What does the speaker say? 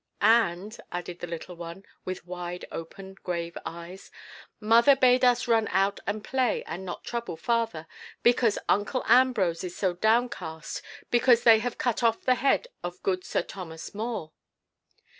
"And," added the little one, with wide open grave eyes, "Mother bade us run out and play and not trouble father, because uncle Ambrose is so downcast because they have cut off the head of good Sir Thomas More."